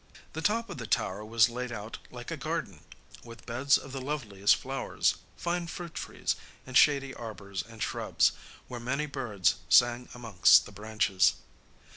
The top of the tower was laid out like a garden, with beds of the loveliest flowers, fine fruit trees, and shady arbours and shrubs, where many birds sang amongst the branches.